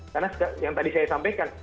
karena yang tadi saya sampaikan